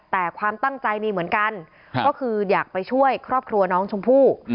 แต่ความตั้งใจมีเหมือนกันก็คืออยากไปช่วยครอบครัวน้องชมพู่